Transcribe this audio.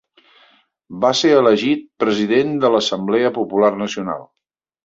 Va ser elegit president de l'Assemblea Popular Nacional.